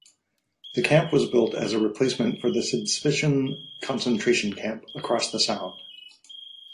The camp was built as a replacement for Sydspissen concentration camp, across the sound.